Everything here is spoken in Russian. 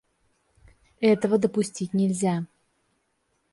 Этого допустить нельзя.